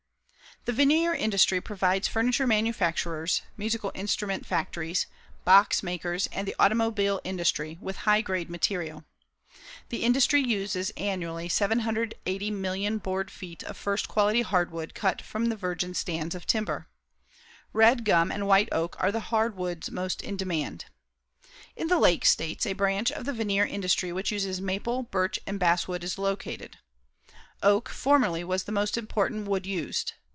The veneer industry provides furniture manufacturers, musical instrument factories, box makers and the automobile industry with high grade material. The industry uses annually 780,000,000 board feet of first quality hardwood cut from virgin stands of timber. Red gum and white oak are the hardwoods most in demand. In the Lake States, a branch of the veneer industry which uses maple, birch and basswood is located. Oak formerly was the most important wood used.